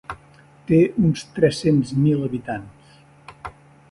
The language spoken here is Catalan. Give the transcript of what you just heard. Té uns tres-cents mil habitants.